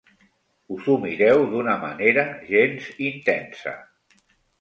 Us ho mireu d'una manera gens intensa.